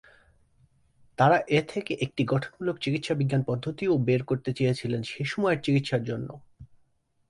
তারা এ থেকে একটি গঠনমূলক চিকিৎসা বিজ্ঞান পদ্ধতিও বের করতে চেয়েছিলেন সে সময়ের চিকিৎসার জন্য।